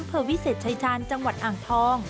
เพื่อวิเศษชายชาญจังหวัดอ่างทอง